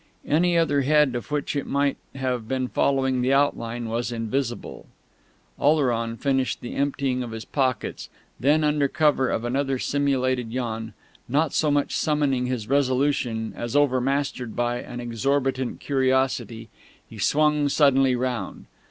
Any other head of which it might have been following the outline was invisible. Oleron finished the emptying of his pockets; then, under cover of another simulated yawn, not so much summoning his resolution as overmastered by an exhorbitant curiosity, he swung suddenly round.